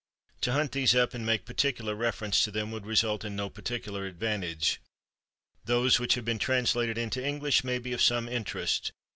To hunt these up and make particular reference to them would result in no particular advantage. Those which have been translated into English may be of some interest.